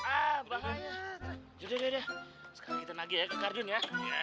sekarang kita nagih ya ke sekardun ya